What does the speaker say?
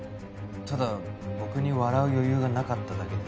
ただ僕に笑う余裕がなかっただけで。